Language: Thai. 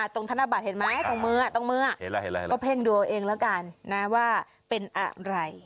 ตรงธนบัตรเห็นไหมตรงมือเพิ่งดูเอาเองแล้วกันนะว่าเป็นอะไร